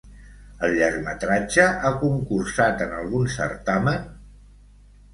El llargmetratge ha concursat en algun certamen?